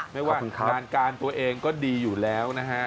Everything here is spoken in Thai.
ไม่ว่างานการตัวเองก็ดีอยู่แล้วนะฮะ